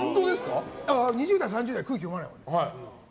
２０代、３０代は空気読まない。